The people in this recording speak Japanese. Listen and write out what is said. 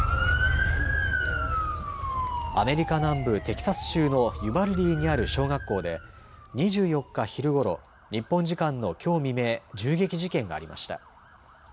アメリカ南部テキサス州のユバルディにある小学校で２４日昼ごろ、日本時間のきょう未明、銃撃事件がありました。